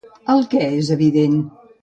El què és evident?